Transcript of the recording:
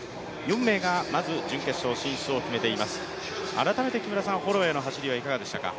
改めて木村さん、ホロウェイの走りはいかがでしたか。